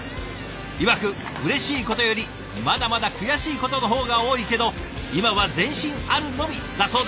いわくうれしいことよりまだまだ悔しいことの方が多いけど今は前進あるのみだそうです。